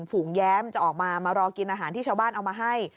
ฝูงแย้มจะออกมามารอกินอาหารที่ชาวบ้านเอามาให้